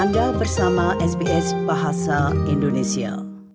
anda bersama sbs bahasa indonesia